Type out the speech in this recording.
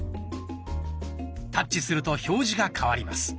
タッチすると表示が替わります。